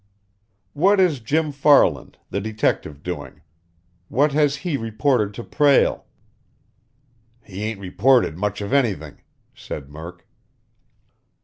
"What is Jim Farland, the detective, doing? What has he reported to Prale?" "He ain't reported much of anything," said Murk.